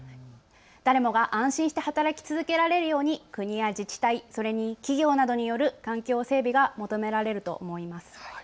誰もが安心して働き続けられるように国や自治体、そして企業などによる環境整備が求められると思います。